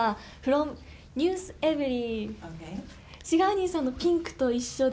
シガーニーさんのピンクと一緒で。